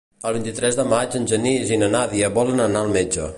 El vint-i-tres de maig en Genís i na Nàdia volen anar al metge.